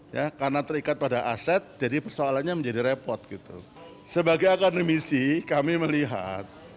ya karena terikat pada aset jadi persoalannya menjadi repot gitu sebagai akademisi kami melihat